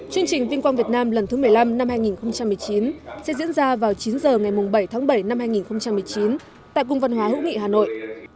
chương trình vinh quang việt nam lần thứ một mươi năm năm hai nghìn một mươi chín sẽ diễn ra vào chín h ngày bảy tháng bảy năm hai nghìn một mươi chín tại cung văn hóa hữu nghị hà nội